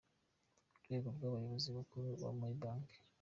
Urwego rw’abayobozi bakuru muri banki